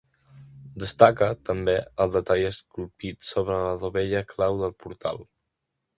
Destaca també el detall esculpit sobre la dovella clau del portal.